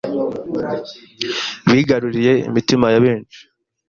bigaruriye imitima ya benshi